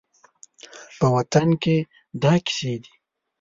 په وطن کې دا کیسې دي